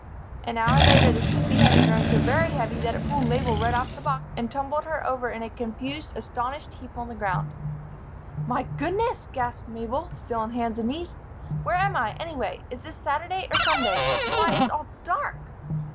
An hour later, the sleepy head had grown so very heavy that it pulled Mabel right off the box and tumbled her over in a confused, astonished heap on the ground. "My goodness!" gasped Mabel, still on hands and knees. "Where am I, anyway? Is this Saturday or Sunday? Why! It's all dark.